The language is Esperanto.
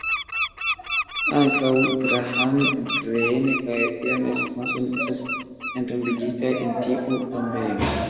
Ankaŭ Graham Greene kaj James Mason estas entombigitaj en tiu tombejo.